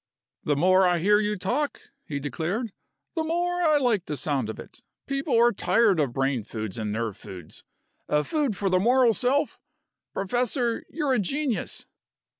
"The more I hear you talk," he declared, "the more I like the sound of it. People are tired of brain foods and nerve foods. A food for the moral self! Professor, you're a genius."